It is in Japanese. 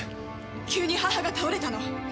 急に母が倒れたの。